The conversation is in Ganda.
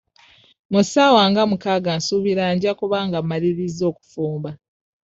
Mu ssaawa nga mukaaga nsuubira nja kuba nga mmalirizza okufumba.